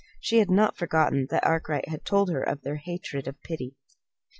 She had not forgotten that Arkwright had told her of their hatred of pity.